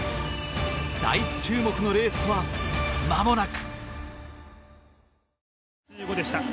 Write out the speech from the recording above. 大注目のレースは、まもなく。